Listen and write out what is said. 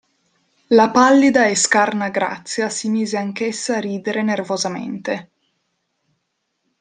La pallida e scarna Grazia si mise anch'essa a ridere nervosamente.